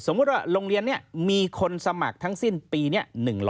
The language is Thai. สมมติว่าลงเรียนมีคนสมัครทั้งสิ้นปีนี้๑๐๐